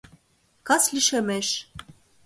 Кас лишемеш.